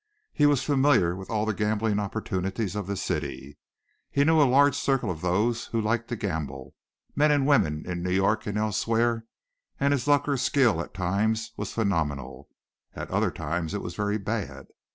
He was familiar with all the gambling opportunities of the city, knew a large circle of those who liked to gamble, men and women in New York and elsewhere, and his luck or skill at times was phenomenal. At other times it was very bad.